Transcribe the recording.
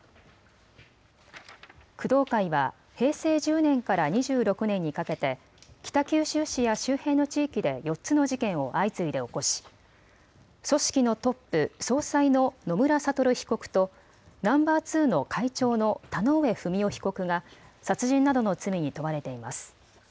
工藤会は平成１０年から２６年にかけて北九州市や周辺の地域で４つの事件を相次いで起こし組織のトップ、総裁の野村悟被告とナンバー２の会長の田上不美夫被告が殺人などの罪に問われています。